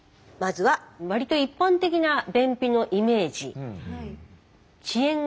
まずは割と一般的な便秘のイメージ。